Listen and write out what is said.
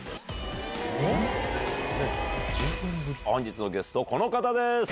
本日のゲストこの方です。